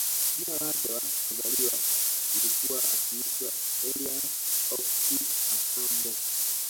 Jina lake la kuzaliwa lilikuwa akiitwa Elias OkitAsombo